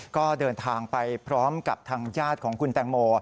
ก็เดินทางไปพร้อมกับทางญาติของคุณแตงโม